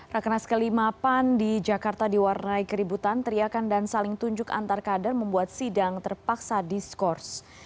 rakenas kelimapan di jakarta diwarnai keributan teriakan dan saling tunjuk antarkader membuat sidang terpaksa diskors